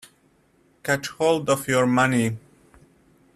Catch hold of your money.